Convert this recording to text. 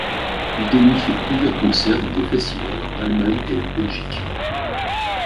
Il donne ensuite plusieurs concerts dans des festivals en Allemagne et Belgique.